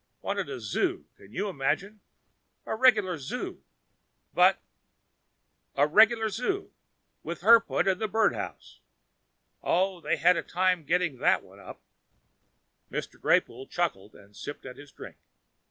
Wanted a zoo, can you imagine a regular zoo, with her put right in the bird house. Oh, they had a time putting that one up!" Mr. Greypoole chuckled and sipped at his drink.